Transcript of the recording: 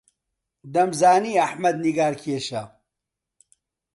دەمزانی ئەحمەد نیگارکێشە.